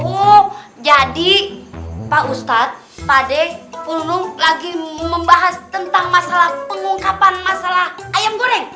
oh jadi pak ustadz pakde polunung lagi membahas tentang masalah pengungkapan masalah ayam goreng